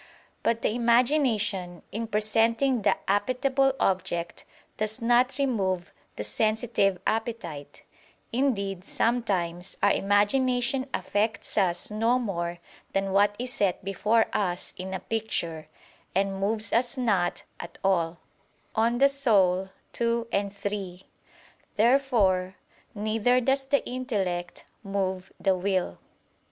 But the imagination, in presenting the appetible object, does not remove the sensitive appetite: indeed sometimes our imagination affects us no more than what is set before us in a picture, and moves us not at all (De Anima ii, 3). Therefore neither does the intellect move the will.